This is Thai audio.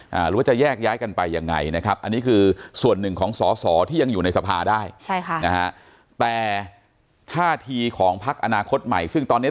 หรือว่าจะแยกย้ายกันไปยังไงนะครับอันนี้คือส่วนหนึ่งของสอสอที่ยังอยู่ในสภาได้